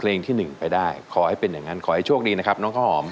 รักแต่พี่ด้วยใจเดียวรักแต่พี่ด้วยใจเดียว